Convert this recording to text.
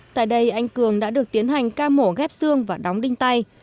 tại đây anh cường đã được tiến hành ca mổ ghép xương và đóng đinh tay